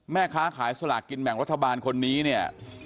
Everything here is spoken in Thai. แม่ค้าขายสลากกินแบ่งรัฐบาลคนนี้เนี่ย